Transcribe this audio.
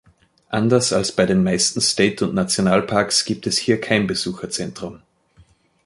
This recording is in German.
Anders als bei den meisten State- und Nationalparks gibt es hier kein Besucherzentrum.